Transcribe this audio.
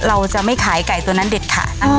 เราจะไม่ขายไก่ตัวนั้นเด็ดขาด